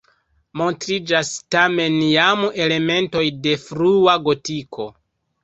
Montriĝas tamen jam elementoj de frua gotiko.